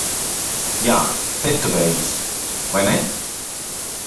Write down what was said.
Jā, tetovējums. Vai ne?